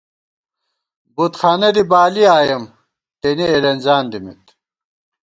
بُت خانہ دی بالِی آئیېم، تېنے اېلېنزان دِمېت